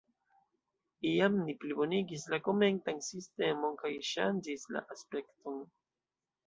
Iam ni plibonigis la komentan sistemon kaj ŝanĝis la aspekton.